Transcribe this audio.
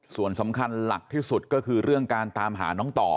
ส่วนสำคัญหลักที่สุดก็คือเรื่องการตามหาน้องต่อ